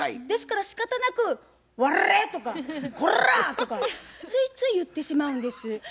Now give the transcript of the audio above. ですからしかたなく「ワレ！」とか「コラ！」とかついつい言ってしまうんです。